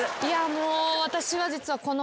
もう私は実はこの。